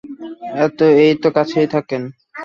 এইতো কাছেই থাকেন।